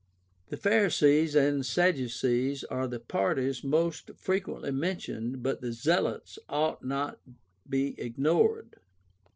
The Pharisees and Sadducees are the parties most frequently mentioned, but the Zealots ought not to be ignored.